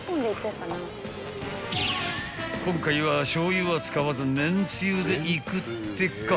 ［今回はしょうゆは使わず麺つゆでいくってか？］